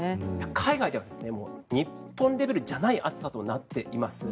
海外では日本レベルじゃない暑さとなっています。